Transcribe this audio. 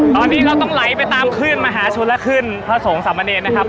ตอนนี้เราต้องไหลไปตามขึ้นมหาชนและขึ้นพระสงฆ์สามเนรนะครับ